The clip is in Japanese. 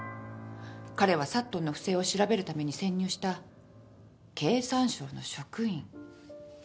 彼はサットンの不正を調べるために潜入した経産省の職員